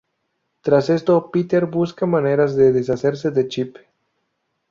Tras esto Peter busca maneras de deshacerse de Chip.